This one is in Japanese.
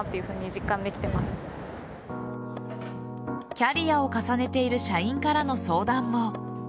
キャリアを重ねている社員からの相談も。